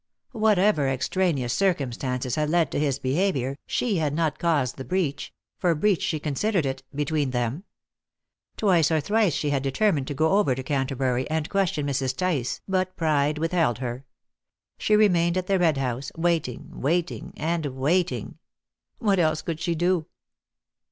Whatever extraneous circumstances had led to his behaviour, she had not caused the breach for breach she considered it between them. Twice or thrice she had determined to go over to Canterbury and question Mrs. Tice, but pride withheld her. She remained at the Red House, waiting, waiting, and waiting. What else could she do?